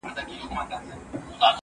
نامردان د مړو لاري وهي.